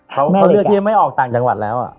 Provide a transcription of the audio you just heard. เขาเลือกที่จะไม่ออกต่างจังหวัดแล้ว